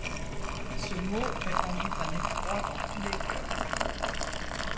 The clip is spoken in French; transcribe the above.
Ce mot répandit un effroi dans tous les cœurs.